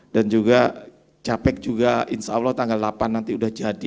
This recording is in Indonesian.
dan juga capek juga insyaallah tanggal delapan nanti sudah jadi